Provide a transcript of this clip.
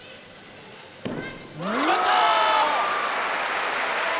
決まった！